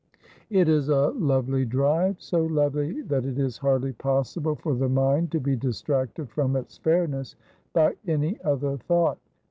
It is a lovely drive, so lovely that it is hardly possible for the mind to be distracted from its fairness by any other thought.